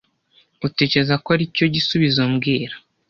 Utekereza ko aricyo gisubizo mbwira